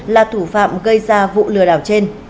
là thủ phạm gây ra vụ lừa đảo trên